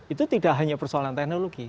itu tidak hanya persoalan teknologi